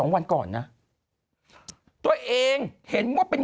นี่คุณดูชอบอุ๊ย